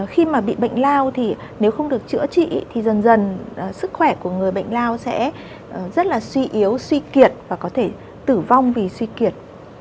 khi mà bị bệnh lao thì nếu không được chữa trị thì dần dần sức khỏe của người bệnh lao sẽ rất là suy yếu suy kiệt và có thể tử vong vì suy kiệt